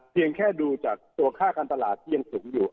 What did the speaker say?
เพียงแค่ดูจากตัวค่าการตลาดที่ยังสูงอยู่